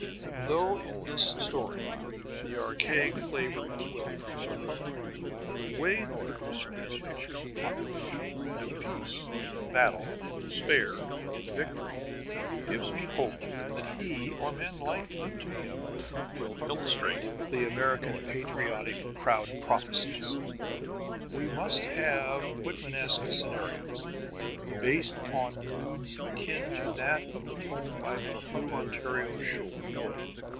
Though in this story the archaic flavor is well preserved, the way the producer has pictured the population at peace, in battle, in despair, in victory gives me hope that he or men like unto him will illustrate the American patriotic crowd prophecies. We must have Whitmanesque scenarios, based on moods akin to that of the poem By Blue Ontario's Shore.